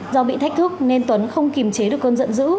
do bị thách thức nên tuấn không kìm chế được con giận dữ